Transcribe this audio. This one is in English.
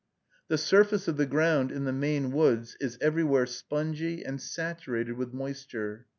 The surface of the ground in the Maine woods is everywhere spongy and saturated with moisture.